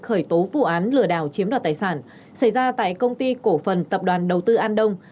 khởi tố vụ án lừa đảo chiếm đoạt tài sản xảy ra tại công ty cổ phần tập đoàn đầu tư an đông